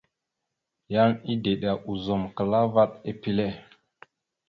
Yan edeɗa ozum klaa vaɗ epile.